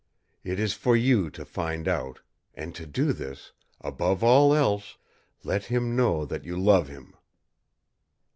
It is for you to find out, and to do this, above all else let him know that you love him!"